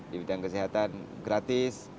di bidang kesehatan gratis